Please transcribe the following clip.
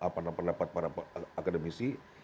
pendapat para akademisi